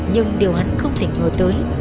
nhưng điều hằng không thể ngờ tới